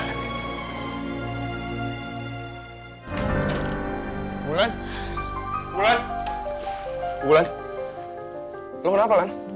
wulan wulan wulan lo kenapa lan